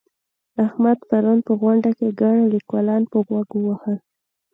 احمد پرون په غونډه کې ګڼ ليکوالان په غوږ ووهل.